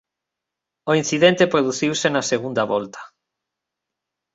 O incidente produciuse na segunda volta.